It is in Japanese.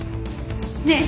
ねえ。